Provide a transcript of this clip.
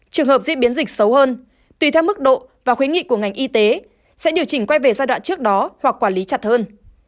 trường hợp diễn biến dịch xấu hơn tùy theo mức độ và khuyến nghị của ngành y tế sẽ điều chỉnh quay về giai đoạn trước đó hoặc quản lý chặt hơn